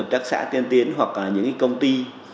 hợp tác xã tiên tiến hoặc là những công ty